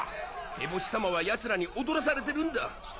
エボシ様は奴らに踊らされてるんだ。